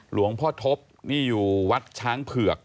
หลวงพ่อทบนี่อยู่วัดช้างเผือก